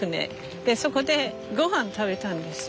でそこでごはん食べたんですよ。